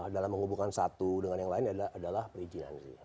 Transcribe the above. dalam menghubungkan satu dengan yang lain adalah perizinan